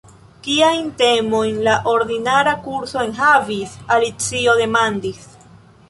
"Kiajn temojn la ordinara kurso enhavis?" Alicio demandis.